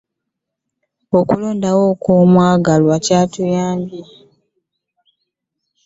Okulondoola ennyo omwagalwa wo tekiyamba.